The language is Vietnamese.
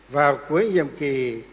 vào cuối nhiệm kỳ